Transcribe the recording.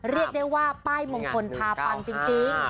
เรียกได้ว่าป้ายมงคลพาปังจริง